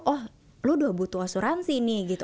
oh lu udah butuh asuransi nih gitu